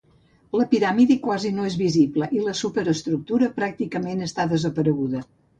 La piràmide quasi no és visible i la superestructura pràcticament està desapareguda.